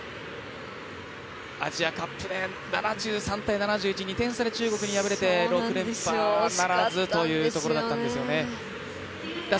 アジアカップで７３対７１と２点差で中国に敗れて６連覇ならずというところだったんですよね。